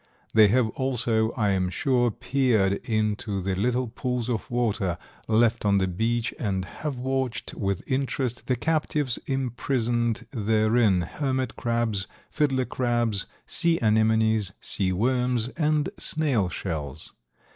They have also, I am sure, peered into the little pools of water left on the beach and have watched with interest the captives imprisoned therein, hermit crabs, fiddler crabs, sea anemones, sea worms and snail shells.